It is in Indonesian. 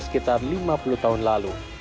sekitar lima puluh tahun lalu